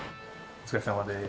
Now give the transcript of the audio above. お疲れさまです。